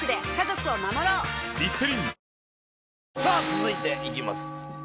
続いていきます。